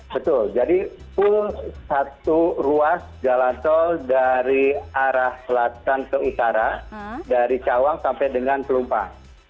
betul jadi full satu ruas jalan tol dari arah selatan ke utara dari cawang sampai dengan pelumpang